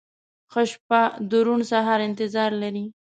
• شپه د روڼ سهار انتظار لري.